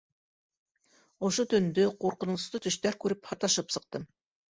Ошо төндө, ҡурҡыныслы төштәр күреп, һаташып сыҡтым.